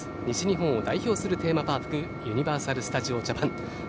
西日本を代表するテーマパークユニバーサル・スタジオ・ジャパン。